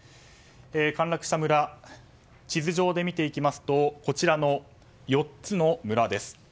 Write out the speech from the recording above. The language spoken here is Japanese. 陥落した村地図上で見ていきますとこちらの４つの村です。